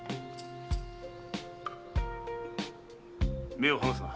目を離すな。